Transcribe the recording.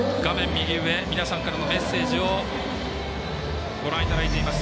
右上皆さんからのメッセージをご覧いただいています。